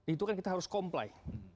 itu kan kita harus comply